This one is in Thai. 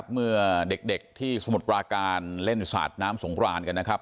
เมื่อเด็กที่สมุติประการเล่นสัดน้ำสงครานกัน